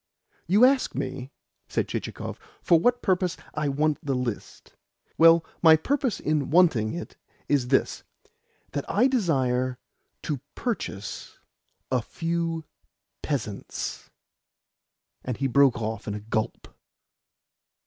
"You ask me," said Chichikov, "for what purpose I want the list. Well, my purpose in wanting it is this that I desire to purchase a few peasants." And he broke off in a gulp.